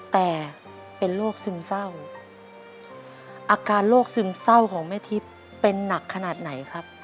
แต่เป็นโรคซึมเศร้าอาการโรคซึมเศร้าของแม่ทิพย์เป็นหนักขนาดไหนครับ